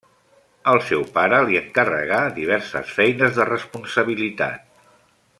El seu pare li encarregà diverses feines de responsabilitat.